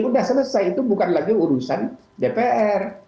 sudah selesai itu bukan lagi urusan dpr